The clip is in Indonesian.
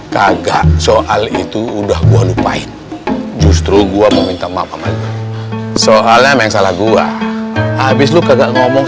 kagak soal itu udah gua lupain justru gua mau minta maaf soalnya meng salah gua habis lu kagak ngomong